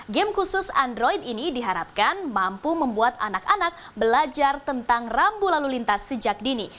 game khusus android ini diharapkan mampu membuat anak anak belajar tentang rambu lalu lintas sejak dini